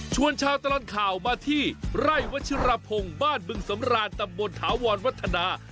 ชาวตลอดข่าวมาที่ไร่วัชิรพงศ์บ้านบึงสำรานตำบลถาวรวัฒนา